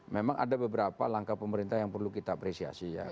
memang ada beberapa langkah pemerintah yang perlu kita apresiasi ya